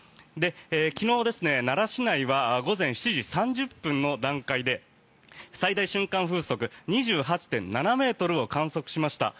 昨日、奈良市内は午前７時３０分の段階で最大瞬間風速２８．７ｍを観測しました。